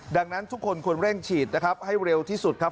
ดังนั้นทุกคนควรเร่งฉีดไว้เร็วที่สุดครับ